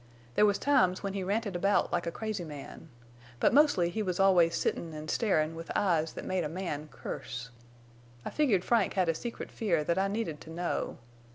There was times when he ranted about like a crazy man, but mostly he was always sittin' an' starin' with eyes that made a man curse. I figured Frank had a secret fear that I needed to know.